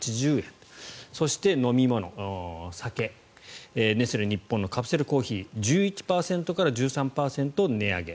そして、飲み物、酒ネスレ日本のカプセルコーヒー１１％から１３％値上げ。